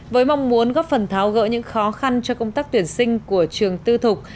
với mong muốn góp phần tháo gỡ những khó khăn cho công tác tuyển sinh của trường tư thục